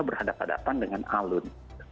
berhadapan hadapan dengan alun